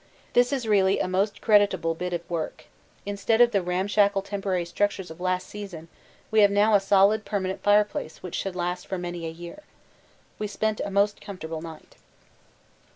This is really a most creditable bit of work. Instead of the ramshackle temporary structures of last season we have now a solid permanent fireplace which should last for many a year. We spent a most comfortable night.